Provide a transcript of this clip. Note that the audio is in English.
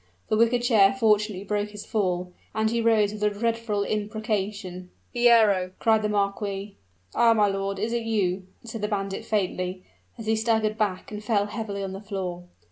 The wicker chair fortunately broke his fall, and he rose with a dreadful imprecation. "Piero!" cried the marquis. "Ah! my lord, is it you?" said the bandit faintly, as he staggered back and fell heavily on the floor.